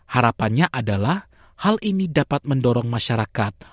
harapannya adalah hal ini dapat mendorong masyarakat